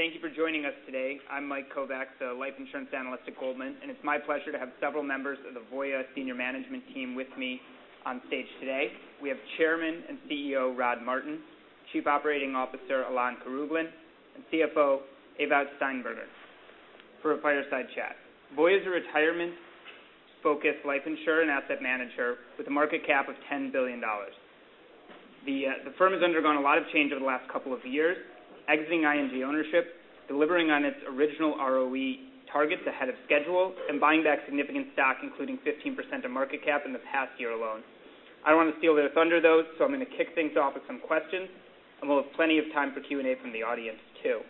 Hello, thank you for joining us today. I'm Mike Kovac, the life insurance analyst at Goldman, and it's my pleasure to have several members of the Voya senior management team with me on stage today. We have Chairman and CEO Rod Martin, Chief Operating Officer Alain Karaoglan, and CFO Ewout Steenbergen for a fireside chat. Voya is a retirement-focused life insurer and asset manager with a market cap of $10 billion. The firm has undergone a lot of change over the last couple of years, exiting ING ownership, delivering on its original ROE targets ahead of schedule, and buying back significant stock, including 15% of market cap in the past year alone. I don't want to steal their thunder, though, I'm going to kick things off with some questions, and we'll have plenty of time for Q&A from the audience, too.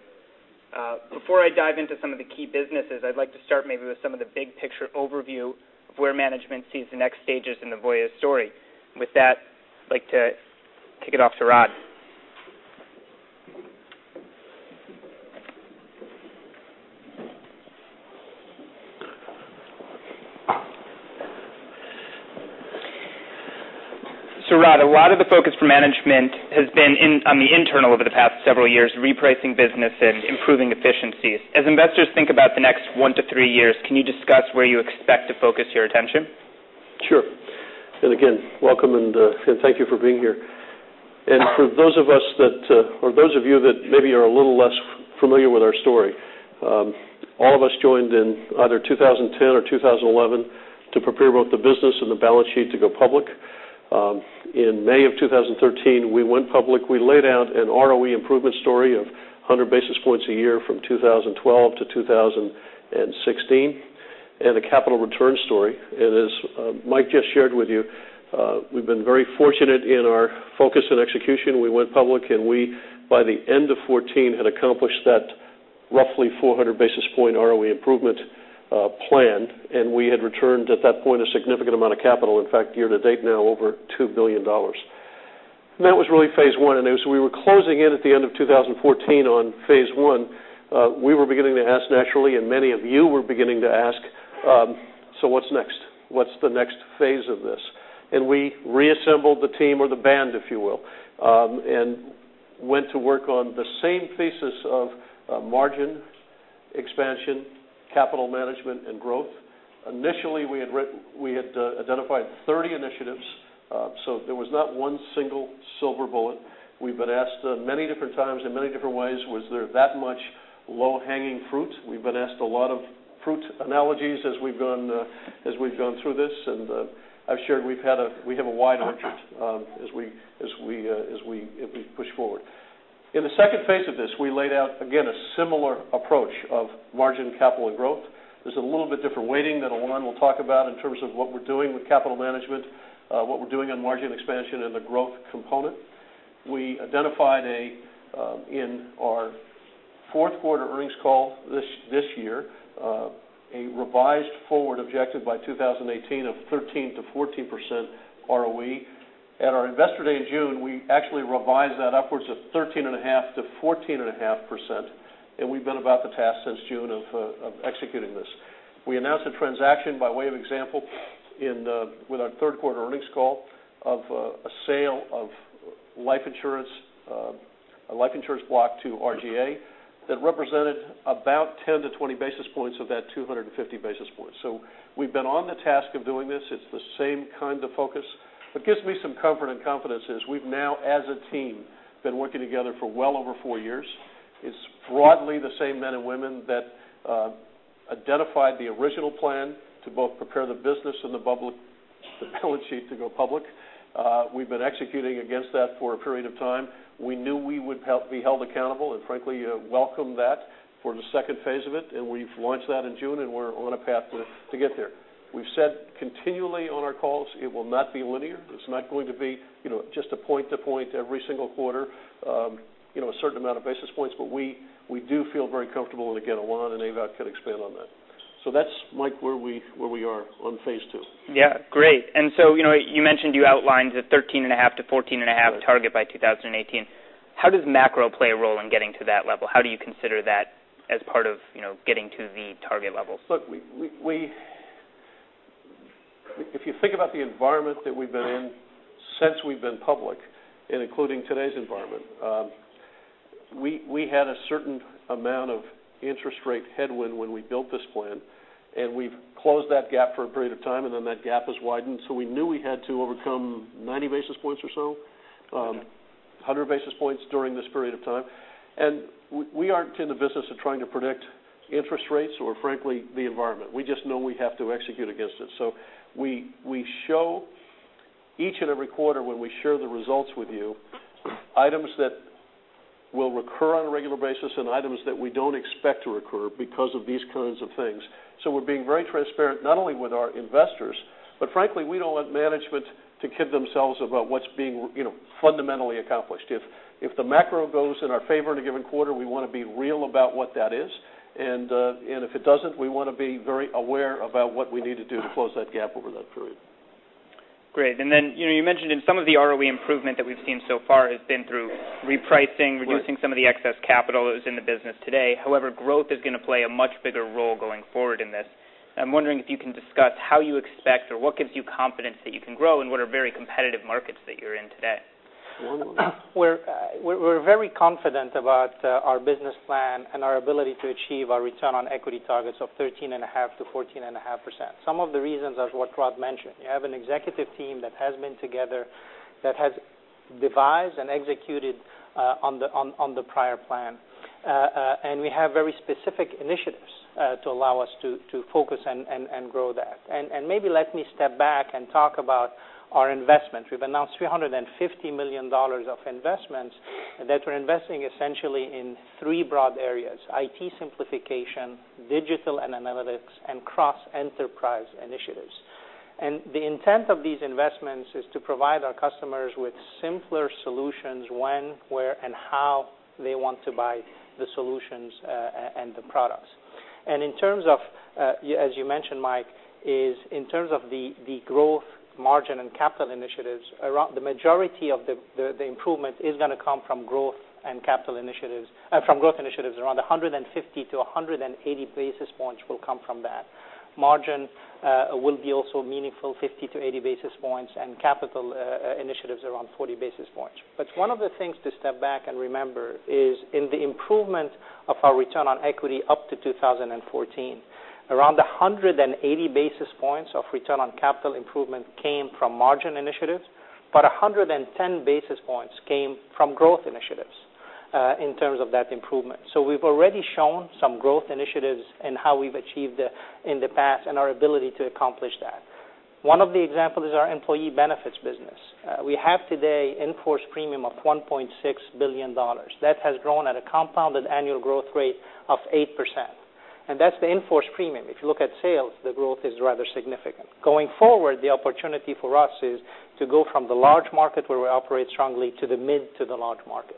Before I dive into some of the key businesses, I'd like to start maybe with some of the big picture overview of where management sees the next stages in the Voya story. With that, I'd like to kick it off to Rod. Rod, a lot of the focus for management has been on the internal over the past several years, repricing business and improving efficiencies. As investors think about the next one to three years, can you discuss where you expect to focus your attention? Sure. Again, welcome and thank you for being here. For those of you that maybe are a little less familiar with our story, all of us joined in either 2010 or 2011 to prepare both the business and the balance sheet to go public. In May of 2013, we went public. We laid out an ROE improvement story of 100 basis points a year from 2012 to 2016, and a capital return story. As Mike just shared with you, we've been very fortunate in our focus and execution. We went public, and we, by the end of 2014, had accomplished that roughly 400 basis point ROE improvement plan. We had returned, at that point, a significant amount of capital. In fact, year to date now, over $2 billion. That was really phase one. As we were closing in at the end of 2014 on phase one, we were beginning to ask naturally, and many of you were beginning to ask, what's next? What's the next phase of this? We reassembled the team or the band, if you will, and went to work on the same thesis of margin expansion, capital management, and growth. Initially, we had identified 30 initiatives, there was not one single silver bullet. We've been asked many different times in many different ways, was there that much low-hanging fruit? We've been asked a lot of fruit analogies as we've gone through this, and I've shared we have a wide orchard as we push forward. In the second phase of this, we laid out, again, a similar approach of margin, capital, and growth. There's a little bit different weighting that Alain will talk about in terms of what we're doing with capital management, what we're doing on margin expansion and the growth component. We identified in our fourth quarter earnings call this year a revised forward objective by 2018 of 13%-14% ROE. At our investor day in June, we actually revised that upwards of 13.5%-14.5%, and we've been about the task since June of executing this. We announced a transaction by way of example with our third quarter earnings call of a sale of a life insurance block to RGA that represented about 10-20 basis points of that 250 basis points. We've been on the task of doing this. It's the same kind of focus. What gives me some comfort and confidence is we've now, as a team, been working together for well over four years. It's broadly the same men and women that identified the original plan to both prepare the business and the balance sheet to go public. We've been executing against that for a period of time. We knew we would be held accountable, and frankly, welcome that for the second phase of it, and we've launched that in June, and we're on a path to get there. We've said continually on our calls it will not be linear. It's not going to be just a point to point every single quarter, a certain amount of basis points. We do feel very comfortable. Again, Alain and Ewout could expand on that. That's, Mike, where we are on phase 2. Yeah. Great. You mentioned you outlined the 13.5%-14.5% target by 2018. How does macro play a role in getting to that level? How do you consider that as part of getting to the target levels? Look, if you think about the environment that we've been in since we've been public, and including today's environment, we had a certain amount of interest rate headwind when we built this plan, and we've closed that gap for a period of time, and then that gap has widened. We knew we had to overcome 90 basis points or so, 100 basis points during this period of time. We aren't in the business of trying to predict interest rates or frankly, the environment. We just know we have to execute against it. We show each and every quarter when we share the results with you, items that will recur on a regular basis and items that we don't expect to recur because of these kinds of things. We're being very transparent, not only with our investors, but frankly, we don't want management to kid themselves about what's being fundamentally accomplished. If the macro goes in our favor in a given quarter, we want to be real about what that is. If it doesn't, we want to be very aware about what we need to do to close that gap over that period. Great. You mentioned in some of the ROE improvement that we've seen so far has been through repricing- Right Reducing some of the excess capital that is in the business today. Growth is going to play a much bigger role going forward in this. I'm wondering if you can discuss how you expect or what gives you confidence that you can grow in what are very competitive markets that you're in today? We're very confident about our business plan and our ability to achieve our return on equity targets of 13.5%-14.5%. Some of the reasons are what Rod mentioned. You have an executive team that has been together, that has devised and executed on the prior plan. We have very specific initiatives to allow us to focus and grow that. Maybe let me step back and talk about our investment. We've announced $350 million of investments that we're investing essentially in three broad areas, IT simplification, digital and analytics, and cross-enterprise initiatives. The intent of these investments is to provide our customers with simpler solutions when, where, and how they want to buy the solutions and the products. As you mentioned, Mike, is in terms of the growth margin and capital initiatives, the majority of the improvement is going to come from growth initiatives. Around 150 to 180 basis points will come from that. Margin will be also a meaningful 50 to 80 basis points, and capital initiatives around 40 basis points. One of the things to step back and remember is in the improvement of our return on equity up to 2014, around 180 basis points of return on capital improvement came from margin initiatives, but 110 basis points came from growth initiatives in terms of that improvement. We've already shown some growth initiatives in how we've achieved in the past, and our ability to accomplish that. One of the examples is our employee benefits business. We have today in-force premium of $1.6 billion. That has grown at a compounded annual growth rate of 8%. That's the in-force premium. If you look at sales, the growth is rather significant. Going forward, the opportunity for us is to go from the large market where we operate strongly to the mid to the large market.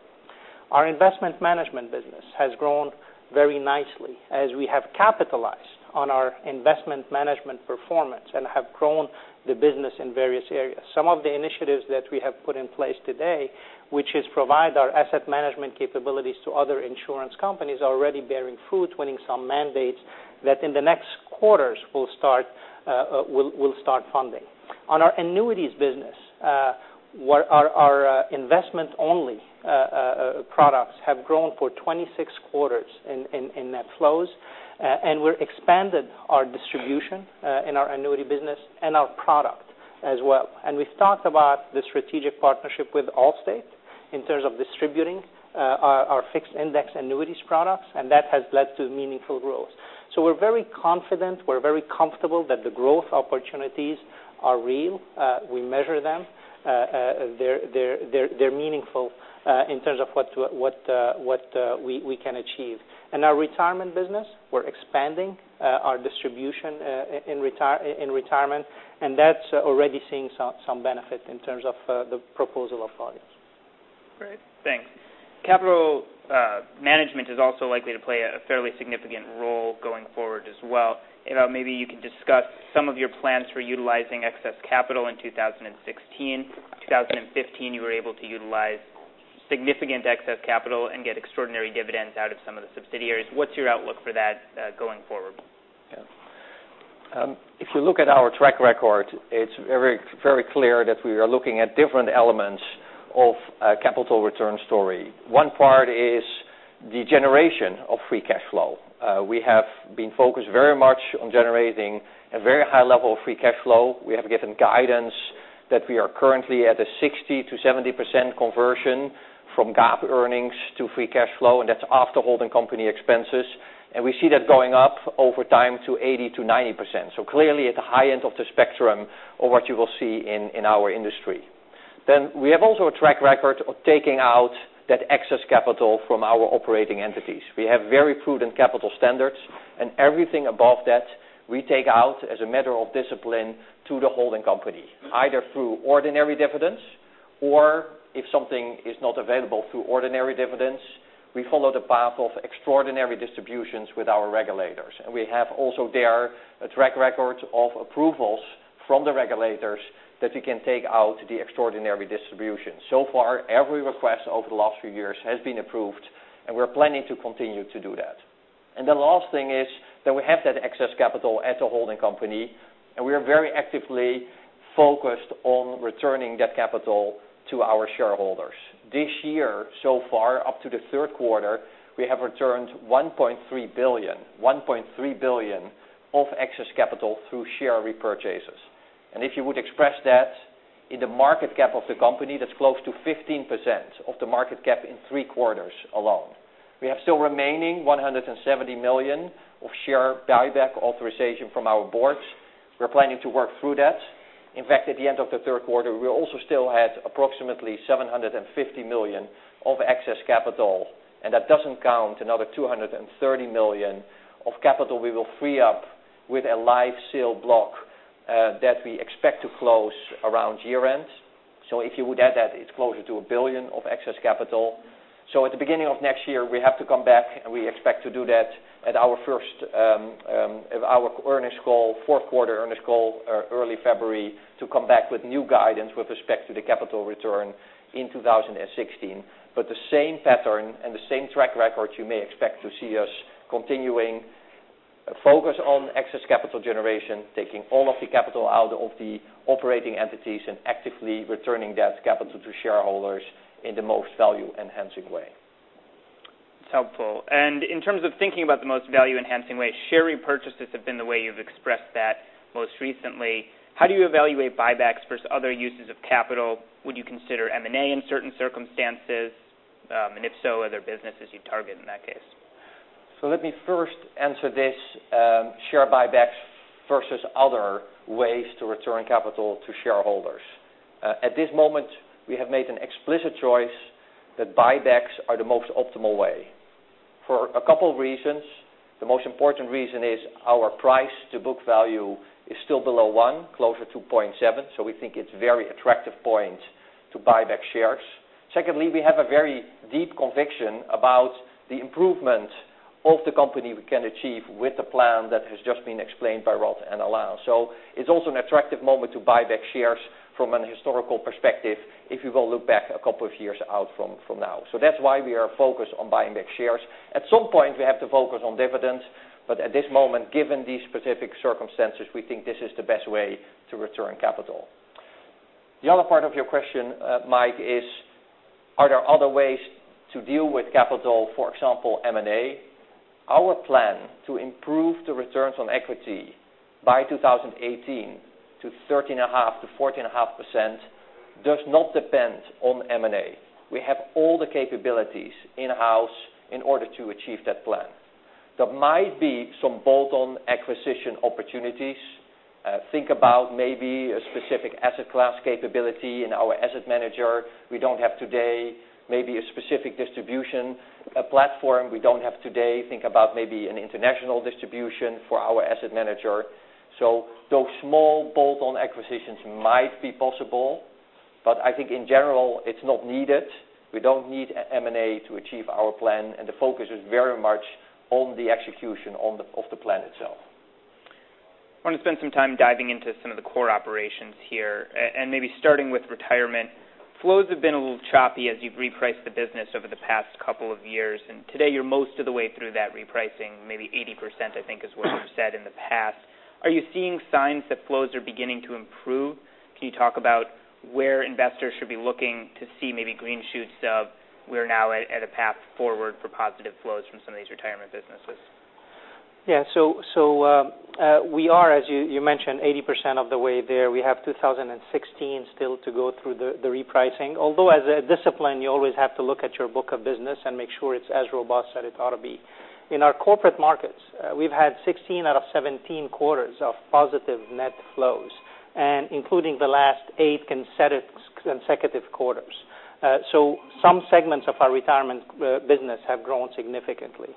Our investment management business has grown very nicely as we have capitalized on our investment management performance and have grown the business in various areas. Some of the initiatives that we have put in place today, which is provide our asset management capabilities to other insurance companies, are already bearing fruit, winning some mandates that in the next quarters will start funding. On our annuities business, our investment-only products have grown for 26 quarters in net flows. We've expanded our distribution in our annuity business and our product as well. We've talked about the strategic partnership with Allstate in terms of distributing our fixed index annuities products, and that has led to meaningful growth. We're very confident, we're very comfortable that the growth opportunities are real. We measure them. They're meaningful in terms of what we can achieve. In our retirement business, we're expanding our distribution in retirement, and that's already seeing some benefit in terms of the proposal of products. Great, thanks. Capital management is also likely to play a fairly significant role going forward as well. Maybe you can discuss some of your plans for utilizing excess capital in 2016. 2015, you were able to utilize significant excess capital and get extraordinary dividends out of some of the subsidiaries. What's your outlook for that going forward? If you look at our track record, it's very clear that we are looking at different elements of a capital return story. One part is the generation of free cash flow. We have been focused very much on generating a very high level of free cash flow. We have given guidance that we are currently at a 60%-70% conversion from GAAP earnings to free cash flow, and that's after holding company expenses. We see that going up over time to 80%-90%. Clearly at the high end of the spectrum of what you will see in our industry. We have also a track record of taking out that excess capital from our operating entities. We have very prudent capital standards, everything above that we take out as a matter of discipline to the holding company, either through ordinary dividends or if something is not available through ordinary dividends, we follow the path of extraordinary distributions with our regulators. We have also there a track record of approvals from the regulators that we can take out the extraordinary distribution. So far, every request over the last few years has been approved, we're planning to continue to do that. The last thing is that we have that excess capital at the holding company, and we are very actively focused on returning that capital to our shareholders. This year, so far, up to the third quarter, we have returned $1.3 billion of excess capital through share repurchases. If you would express that in the market cap of the company, that's close to 15% of the market cap in three quarters alone. We have still remaining $170 million of share buyback authorization from our boards. We're planning to work through that. In fact, at the end of the third quarter, we also still had approximately $750 million of excess capital, and that doesn't count another $230 million of capital we will free up with a life sale block that we expect to close around year-end. If you would add that, it's closer to $1 billion of excess capital. At the beginning of next year, we have to come back, and we expect to do that at our earnings call, fourth quarter earnings call, early February, to come back with new guidance with respect to the capital return in 2016. The same pattern and the same track record you may expect to see us continuing Focus on excess capital generation, taking all of the capital out of the operating entities and actively returning that capital to shareholders in the most value-enhancing way. It's helpful. In terms of thinking about the most value-enhancing way, share repurchases have been the way you've expressed that most recently. How do you evaluate buybacks versus other uses of capital? Would you consider M&A in certain circumstances? If so, are there businesses you'd target in that case? Let me first answer this share buybacks versus other ways to return capital to shareholders. At this moment, we have made an explicit choice that buybacks are the most optimal way for a couple reasons. The most important reason is our price to book value is still below one, closer to 0.7, we think it's very attractive point to buy back shares. Secondly, we have a very deep conviction about the improvement of the company we can achieve with the plan that has just been explained by Rod and Alain. It's also an attractive moment to buy back shares from an historical perspective if you go look back a couple of years out from now. That's why we are focused on buying back shares. At some point, we have to focus on dividends, at this moment, given these specific circumstances, we think this is the best way to return capital. The other part of your question, Mike, is are there other ways to deal with capital, for example, M&A? Our plan to improve the returns on equity by 2018 to 13.5%-14.5% does not depend on M&A. We have all the capabilities in-house in order to achieve that plan. There might be some bolt-on acquisition opportunities. Think about maybe a specific asset class capability in our asset manager we don't have today. Maybe a specific distribution platform we don't have today. Think about maybe an international distribution for our asset manager. Those small bolt-on acquisitions might be possible, but I think in general it's not needed. We don't need M&A to achieve our plan, the focus is very much on the execution of the plan itself. I want to spend some time diving into some of the core operations here. Maybe starting with retirement. Flows have been a little choppy as you've repriced the business over the past couple of years, and today you're most of the way through that repricing. Maybe 80%, I think, is what you've said in the past. Are you seeing signs that flows are beginning to improve? Can you talk about where investors should be looking to see maybe green shoots of we're now at a path forward for positive flows from some of these retirement businesses? Yeah. We are, as you mentioned, 80% of the way there. We have 2016 still to go through the repricing. As a discipline, you always have to look at your book of business and make sure it's as robust as it ought to be. In our corporate markets, we've had 16 out of 17 quarters of positive net flows, including the last 8 consecutive quarters. Some segments of our retirement business have grown significantly.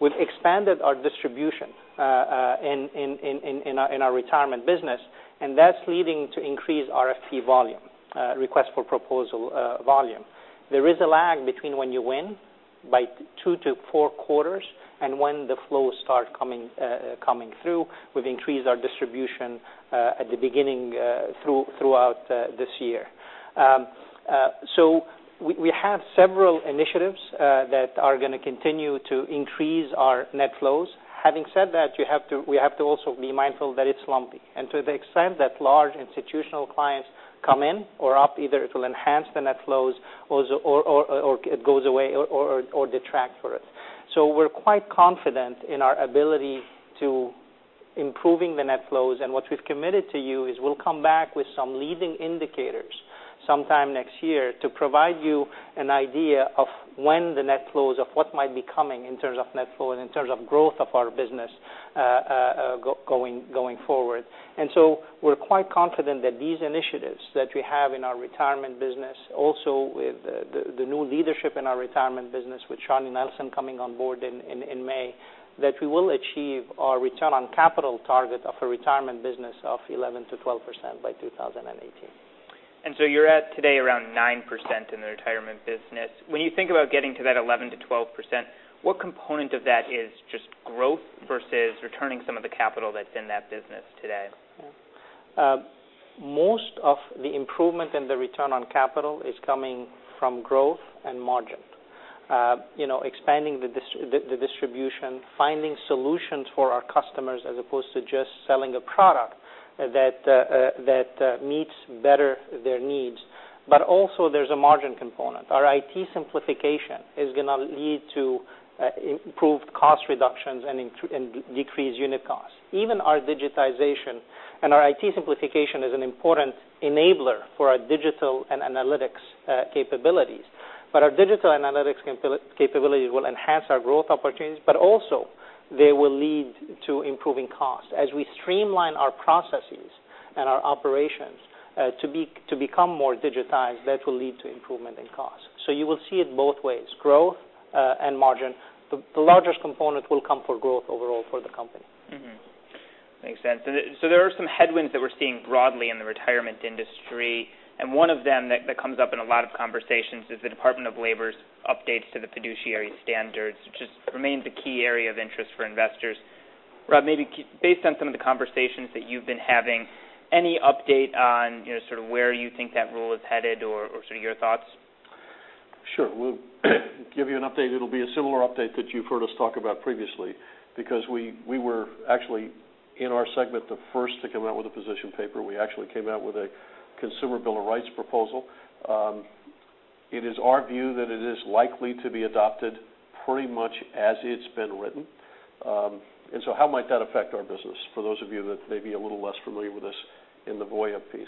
We've expanded our distribution in our retirement business, and that's leading to increased RFP volume, request for proposal volume. There is a lag between when you win by 2-4 quarters and when the flows start coming through. We've increased our distribution at the beginning throughout this year. We have several initiatives that are going to continue to increase our net flows. Having said that, we have to also be mindful that it's lumpy. To the extent that large institutional clients come in or up, either it will enhance the net flows or it goes away or detract for it. We're quite confident in our ability to improving the net flows, what we've committed to you is we'll come back with some leading indicators sometime next year to provide you an idea of when the net flows of what might be coming in terms of net flow, in terms of growth of our business going forward. We're quite confident that these initiatives that we have in our retirement business, also with the new leadership in our retirement business with Charlie Nelson coming on board in May, that we will achieve our return on capital target of a retirement business of 11%-12% by 2018. You're at today around 9% in the retirement business. When you think about getting to that 11%-12%, what component of that is just growth versus returning some of the capital that's in that business today? Most of the improvement in the return on capital is coming from growth and margin. Expanding the distribution, finding solutions for our customers as opposed to just selling a product that meets better their needs. Also there's a margin component. Our IT simplification is going to lead to improved cost reductions and decreased unit costs. Even our digitization and our IT simplification is an important enabler for our digital and analytics capabilities. Our digital analytics capabilities will enhance our growth opportunities, but also they will lead to improving costs. As we streamline our processes and our operations to become more digitized, that will lead to improvement in costs. You will see it both ways, growth and margin. The largest component will come for growth overall for the company. Mm-hmm. Makes sense. There are some headwinds that we're seeing broadly in the retirement industry, and one of them that comes up in a lot of conversations is the Department of Labor's updates to the fiduciary standards, which just remains a key area of interest for investors. Rod, maybe based on some of the conversations that you've been having, any update on sort of where you think that rule is headed or sort of your thoughts? Sure. We'll give you an update. It'll be a similar update that you've heard us talk about previously, because we were actually, in our segment, the first to come out with a position paper. We actually came out with a Consumer Bill of Rights proposal. It is our view that it is likely to be adopted pretty much as it's been written. How might that affect our business, for those of you that may be a little less familiar with this in the Voya piece.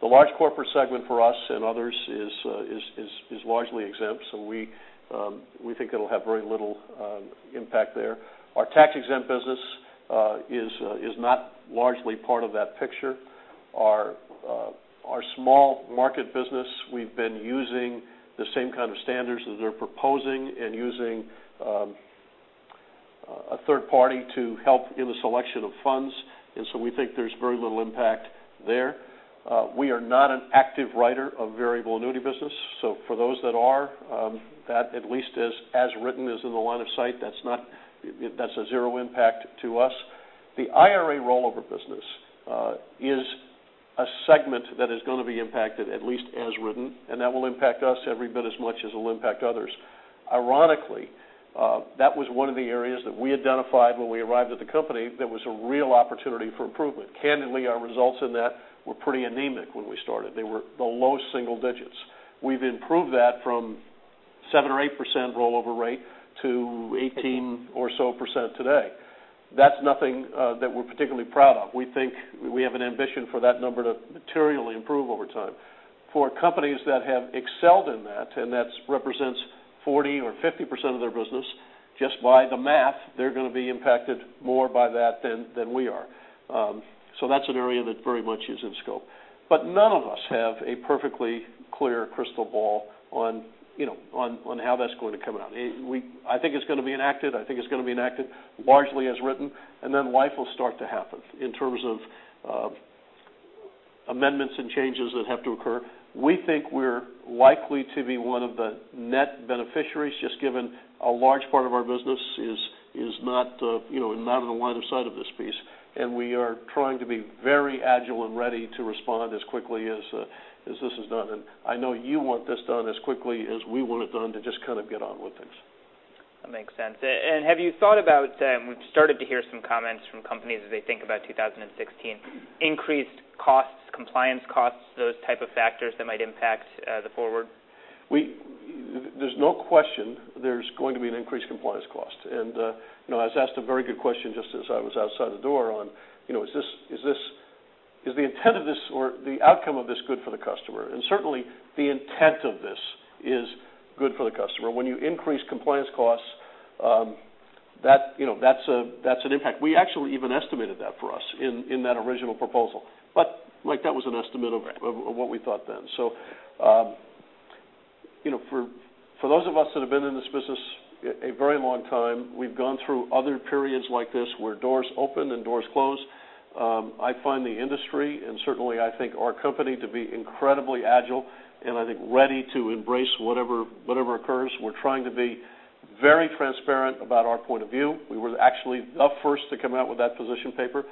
The large corporate segment for us and others is largely exempt, we think it'll have very little impact there. Our tax-exempt business is not largely part of that picture. Our small market business, we've been using the same kind of standards that they're proposing and using a third party to help in the selection of funds. We think there's very little impact there. We are not an active writer of variable annuity business. For those that are, that at least as written is in the line of sight. That's a 0 impact to us. The IRA rollover business is a segment that is going to be impacted, at least as written, and that will impact us every bit as much as it'll impact others. Ironically, that was one of the areas that we identified when we arrived at the company that was a real opportunity for improvement. Candidly, our results in that were pretty anemic when we started. They were the low single digits. We've improved that from 7% or 8% rollover rate to 18 or so % today. That's nothing that we're particularly proud of. We think we have an ambition for that number to materially improve over time. For companies that have excelled in that represents 40% or 50% of their business, just by the math, they're going to be impacted more by that than we are. That's an area that very much is in scope. None of us have a perfectly clear crystal ball on how that's going to come out. I think it's going to be enacted, I think it's going to be enacted largely as written. Life will start to happen in terms of amendments and changes that have to occur. We think we're likely to be one of the net beneficiaries, just given a large part of our business is not in the line of sight of this piece. We are trying to be very agile and ready to respond as quickly as this is done. I know you want this done as quickly as we want it done to just kind of get on with things. That makes sense. Have you thought about, we've started to hear some comments from companies as they think about 2016, increased costs, compliance costs, those type of factors that might impact the forward? There's no question there's going to be an increased compliance cost. I was asked a very good question just as I was outside the door on, is the intent of this or the outcome of this good for the customer? Certainly, the intent of this is good for the customer. When you increase compliance costs, that's an impact. We actually even estimated that for us in that original proposal. That was an estimate of what we thought then. For those of us that have been in this business a very long time, we've gone through other periods like this where doors open and doors close. I find the industry, and certainly I think our company, to be incredibly agile and I think ready to embrace whatever occurs. We're trying to be very transparent about our point of view. We were actually the first to come out with that position paper.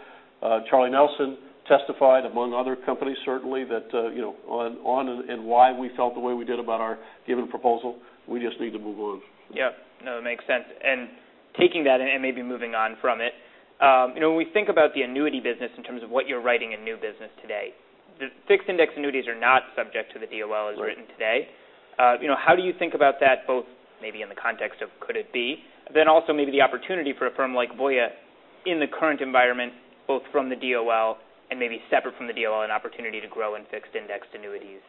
Charlie Nelson testified, among other companies certainly, why we felt the way we did about our given proposal. We just need to move on. No, that makes sense. Taking that and maybe moving on from it, when we think about the annuity business in terms of what you're writing in new business today, the fixed index annuities are not subject to the DOL as written today. Right. How do you think about that both maybe in the context of could it be, then also maybe the opportunity for a firm like Voya in the current environment, both from the DOL and maybe separate from the DOL, an opportunity to grow in fixed index annuities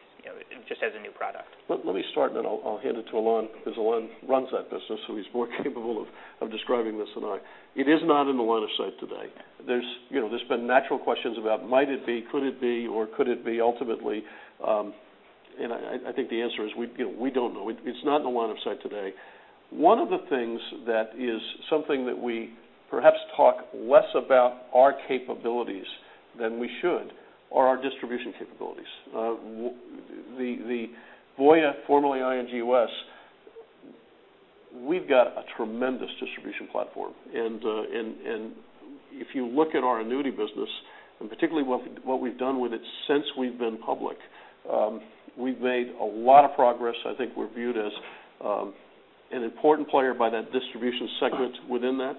just as a new product? Let me start, then I'll hand it to Alain because Alain runs that business, so he's more capable of describing this than I. It is not in the line of sight today. There's been natural questions about might it be, could it be or could it be ultimately? I think the answer is we don't know. It's not in the line of sight today. One of the things that is something that we perhaps talk less about our capabilities than we should are our distribution capabilities. The Voya, formerly ING U.S., we've got a tremendous distribution platform. If you look at our annuity business, and particularly what we've done with it since we've been public, we've made a lot of progress. I think we're viewed as an important player by that distribution segment within that.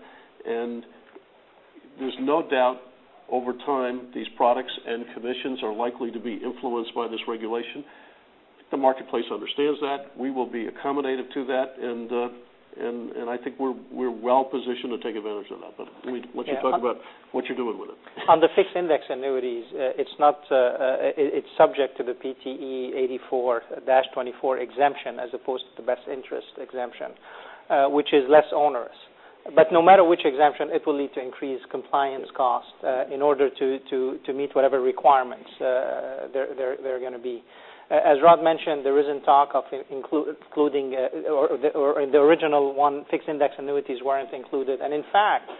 There's no doubt over time these products and commissions are likely to be influenced by this regulation. The marketplace understands that. We will be accommodative to that, and I think we're well positioned to take advantage of that. Why don't you talk about what you're doing with it? On the fixed index annuities, it's subject to the PTE 84-24 exemption as opposed to the Best Interest Exemption, which is less onerous. No matter which exemption, it will need to increase compliance cost in order to meet whatever requirements there are going to be. As Rod mentioned, there is talk of including, or in the original one, fixed index annuities weren't included. In fact,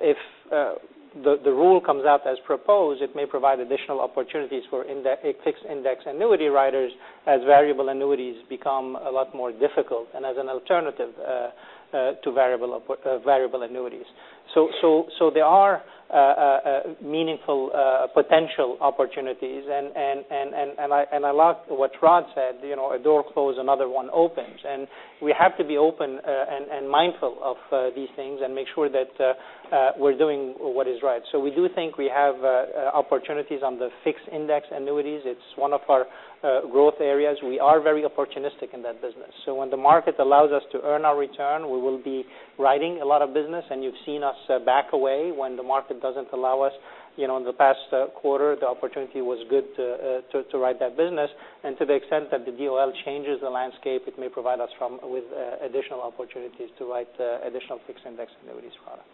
if the rule comes out as proposed, it may provide additional opportunities for fixed index annuity writers as variable annuities become a lot more difficult and as an alternative to variable annuities. There are meaningful potential opportunities. I like what Rod said, a door closed, another one opens. We have to be open and mindful of these things and make sure that we're doing what is right. We do think we have opportunities on the fixed index annuities. It's one of our growth areas. We are very opportunistic in that business. When the market allows us to earn our return, we will be writing a lot of business, and you've seen us back away when the market doesn't allow us. In the past quarter, the opportunity was good to write that business, and to the extent that the DOL changes the landscape, it may provide us with additional opportunities to write additional fixed index annuities product.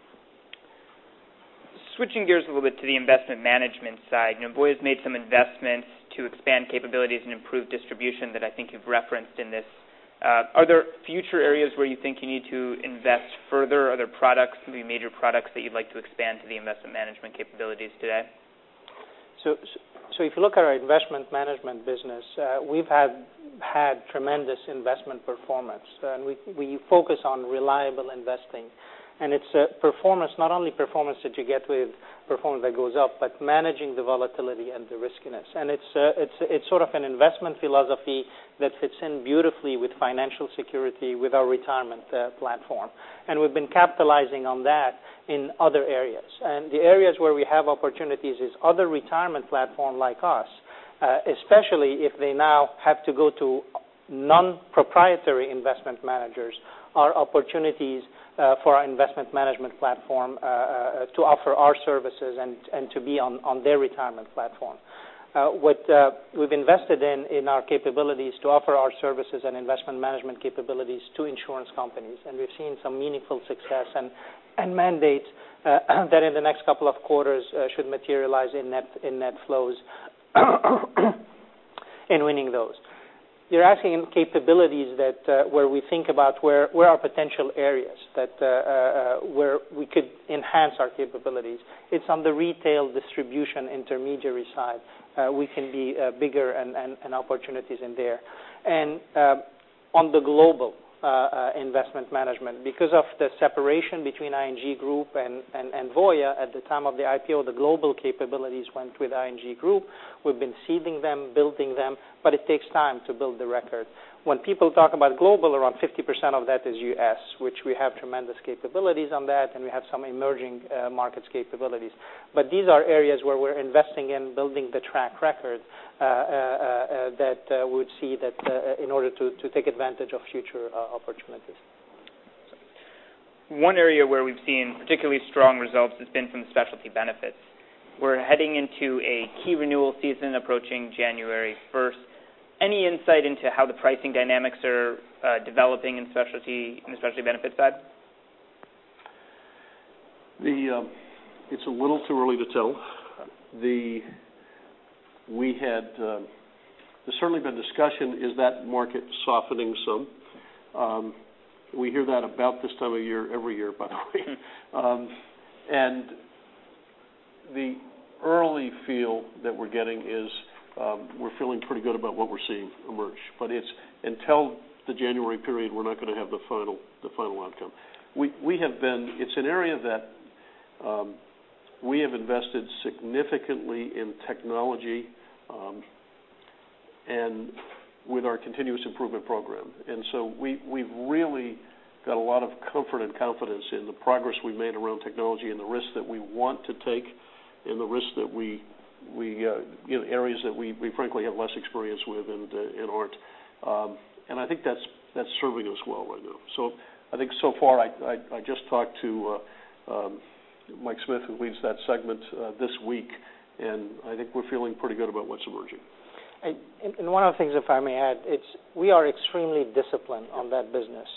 Switching gears a little bit to the investment management side. Voya's made some investments to expand capabilities and improve distribution that I think you've referenced in this. Are there future areas where you think you need to invest further? Are there products, maybe major products, that you'd like to expand to the investment management capabilities today? If you look at our investment management business, we've had tremendous investment performance. We focus on reliable investing. It's not only performance that you get with performance that goes up, but managing the volatility and the riskiness. It's sort of an investment philosophy that fits in beautifully with financial security, with our retirement platform. We've been capitalizing on that in other areas. The areas where we have opportunities is other retirement platform like us, especially if they now have to go to non-proprietary investment managers, are opportunities for our investment management platform to offer our services and to be on their retirement platform. What we've invested in our capabilities to offer our services and investment management capabilities to insurance companies, and we've seen some meaningful success and mandates that in the next couple of quarters, should materialize in net flows, in winning those. You're asking capabilities where we think about where are potential areas that where we could enhance our capabilities. It's on the retail distribution intermediary side. We can be bigger and opportunities in there. On the global investment management, because of the separation between ING Group and Voya at the time of the IPO, the global capabilities went with ING Group. We've been seeding them, building them, but it takes time to build the record. When people talk about global, around 50% of that is U.S., which we have tremendous capabilities on that, and we have some emerging markets capabilities. These are areas where we're investing in building the track record that we'd see in order to take advantage of future opportunities. One area where we've seen particularly strong results has been from specialty benefits. We're heading into a key renewal season approaching January 1st. Any insight into how the pricing dynamics are developing in the specialty benefits side? It's a little too early to tell. There's certainly been discussion, is that market softening some? We hear that about this time of year every year, by the way. The early feel that we're getting is we're feeling pretty good about what we're seeing emerge. Until the January period, we're not going to have the final outcome. It's an area that we have invested significantly in technology, and with our continuous improvement program. We've really got a lot of comfort and confidence in the progress we've made around technology and the risks that we want to take and the areas that we frankly have less experience with and aren't. I think that's serving us well right now. I think so far, I just talked to Mike Smith, who leads that segment this week, and I think we're feeling pretty good about what's emerging. One of the things, if I may add, it's we are extremely disciplined on that business.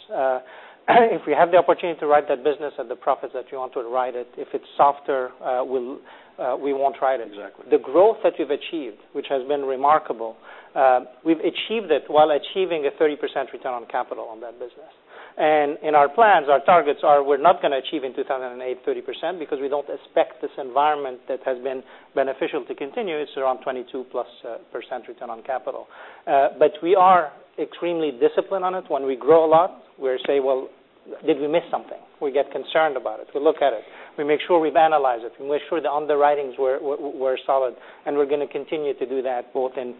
If we have the opportunity to write that business at the profits that you want to write it, if it's softer, we won't write it. Exactly. The growth that we've achieved, which has been remarkable, we've achieved it while achieving a 30% return on capital on that business. In our plans, our targets are we're not going to achieve in 2008 30% because we don't expect this environment that has been beneficial to continue. It's around 22% plus return on capital. We are extremely disciplined on it. When we grow a lot, we say, "Well, did we miss something?" We get concerned about it. We look at it. We make sure we've analyzed it, and we're sure the underwritings were solid. We're going to continue to do that both in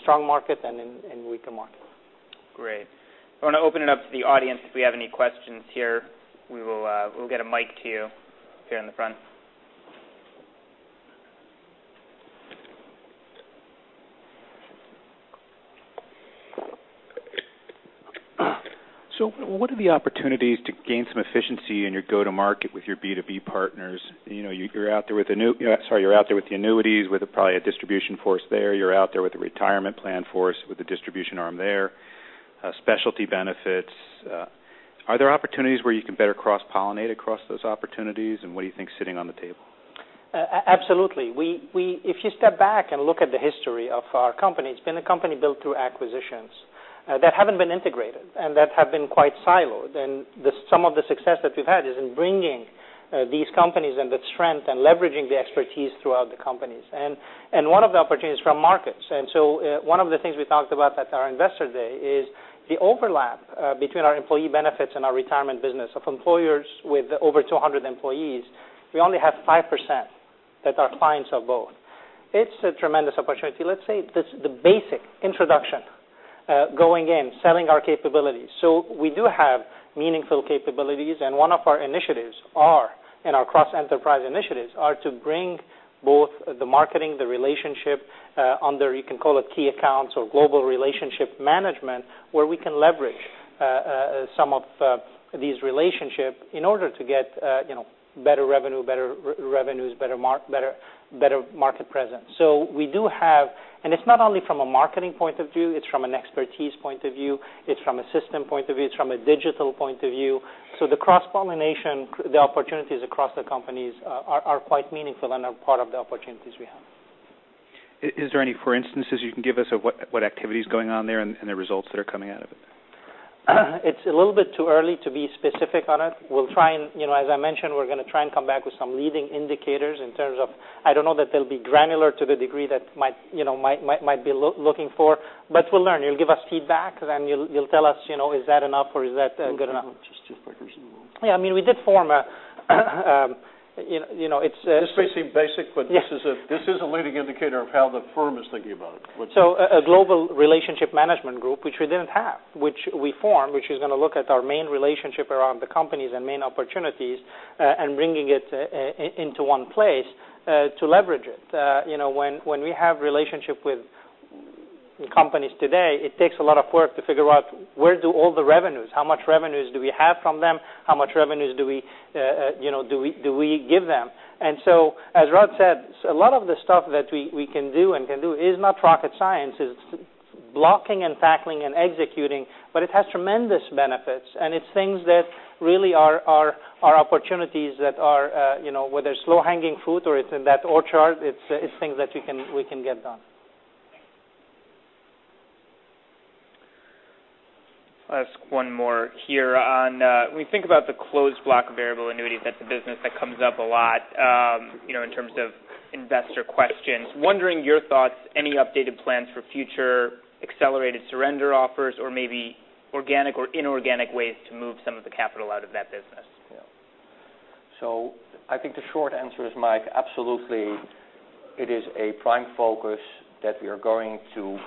strong market and in weaker market. Great. I want to open it up to the audience if we have any questions here. We'll get a mic to you here in the front. What are the opportunities to gain some efficiency in your go-to-market with your B2B partners? You're out there with the annuities, with probably a distribution force there. You're out there with the retirement plan force, with the distribution arm there, specialty benefits. Are there opportunities where you can better cross-pollinate across those opportunities, and what do you think is sitting on the table? Absolutely. If you step back and look at the history of our company, it's been a company built through acquisitions that haven't been integrated and that have been quite siloed. Some of the success that we've had is in bringing these companies and the strength and leveraging the expertise throughout the companies. One of the opportunities from markets. One of the things we talked about at our Investor Day is the overlap between our employee benefits and our retirement business of employers with over 200 employees. We only have 5% that are clients of both. It's a tremendous opportunity. Let's say the basic introduction, going in, selling our capabilities. We do have meaningful capabilities, and our cross-enterprise initiatives are to bring both the marketing, the relationship under, you can call it key accounts or global relationship management, where we can leverage some of these relationships in order to get better revenues, better market presence. It's not only from a marketing point of view, it's from an expertise point of view, it's from a system point of view, it's from a digital point of view. The cross-pollination, the opportunities across the companies are quite meaningful and are part of the opportunities we have. Is there any, for instance, you can give us of what activity is going on there and the results that are coming out of it? It's a little bit too early to be specific on it. As I mentioned, we're going to try and come back with some leading indicators in terms of, I don't know that they'll be granular to the degree that Mike be looking for, but we'll learn. You'll give us feedback, you'll tell us, is that enough or is that good enough? Just like personal. Yeah, we did form a This may seem basic, but this is a leading indicator of how the firm is thinking about it. A global relationship management group, which we didn't have, which we formed, which is going to look at our main relationship around the companies and main opportunities, and bringing it into one place to leverage it. When we have relationship with companies today, it takes a lot of work to figure out where do all the revenues, how much revenues do we have from them, how much revenues do we give them? As Rod said, a lot of the stuff that we can do and can do is not rocket science. It's blocking and tackling and executing, but it has tremendous benefits, and it's things that really are opportunities that are whether it's low-hanging fruit or it's in that orchard, it's things that we can get done. I'll ask one more here on when you think about the closed block variable annuities, that's a business that comes up a lot, in terms of investor questions. Wondering your thoughts, any updated plans for future accelerated surrender offers or maybe organic or inorganic ways to move some of the capital out of that business? I think the short answer is, Mike, absolutely, it is a prime focus that we are going to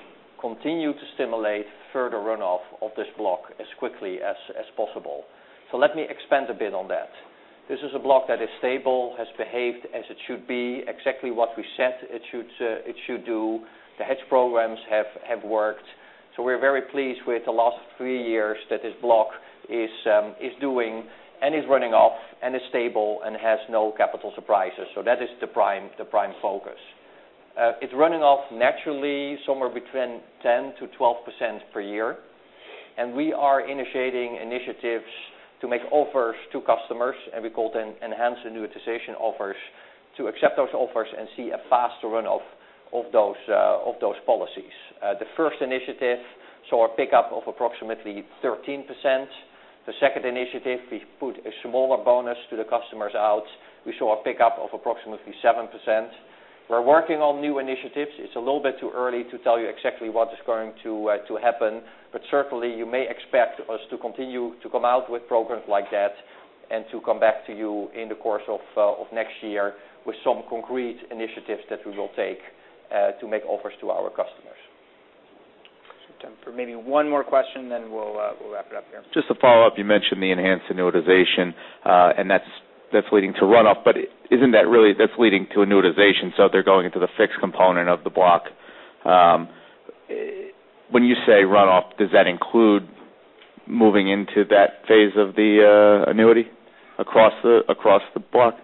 continue to stimulate further runoff of this block as quickly as possible. Let me expand a bit on that. This is a block that is stable, has behaved as it should be, exactly what we said it should do. The hedge programs have worked. We're very pleased with the last three years that this block is doing and is running off and is stable and has no capital surprises. That is the prime focus. It's running off naturally somewhere between 10%-12% per year. We are initiating initiatives to make offers to customers, and we call them enhanced annuitization offers to accept those offers and see a faster runoff of those policies. The first initiative saw a pickup of approximately 13%. The second initiative, we put a smaller bonus to the customers out. We saw a pickup of approximately 7%. We're working on new initiatives. It's a little bit too early to tell you exactly what is going to happen, but certainly, you may expect us to continue to come out with programs like that and to come back to you in the course of next year with some concrete initiatives that we will take to make offers to our customers. Time for maybe one more question, then we'll wrap it up here. Just to follow up, you mentioned the enhanced annuitization, that's leading to runoff. Isn't that really that's leading to annuitization, they're going into the fixed component of the block. When you say runoff, does that include moving into that phase of the annuity across the block?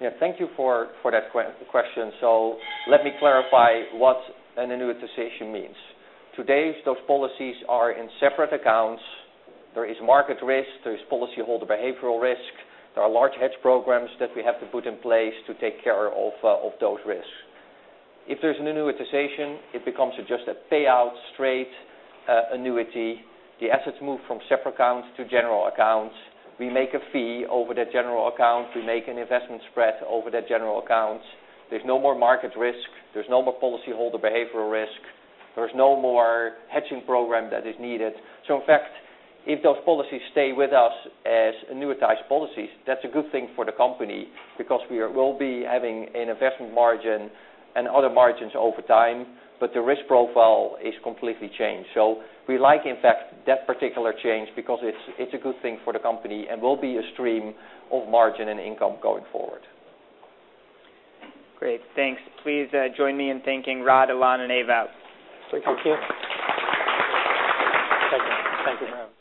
Yeah. Thank you for that question. Let me clarify what an annuitization means. Today, those policies are in separate accounts. There is market risk, there is policyholder behavioral risk. There are large hedge programs that we have to put in place to take care of those risks. If there's an annuitization, it becomes just a payout straight annuity. The assets move from separate accounts to general accounts. We make a fee over that general account. We make an investment spread over that general accounts. There's no more market risk. There's no more policyholder behavioral risk. There's no more hedging program that is needed. In fact, if those policies stay with us as annuitized policies, that's a good thing for the company because we will be having an investment margin and other margins over time, but the risk profile is completely changed. We like, in fact, that particular change because it's a good thing for the company and will be a stream of margin and income going forward. Great. Thanks. Please join me in thanking Rod, Alain, and Ewout. Thank you. Thank you. Thank you very much.